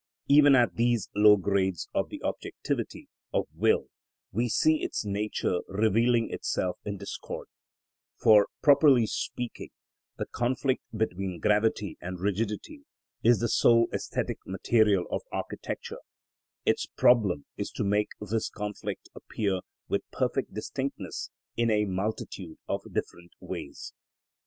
Even at these low grades of the objectivity of will we see its nature revealing itself in discord; for properly speaking the conflict between gravity and rigidity is the sole æsthetic material of architecture; its problem is to make this conflict appear with perfect distinctness in a multitude of different ways.